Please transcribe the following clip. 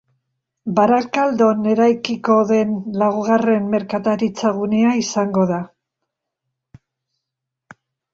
Barakaldon eraikiko den laugarren merkataritza-gunea izango da.